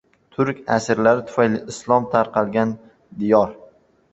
Turk asirlari tufayli Islom tarqalgan diyor